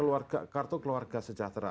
jadi kartu keluarga sejahtera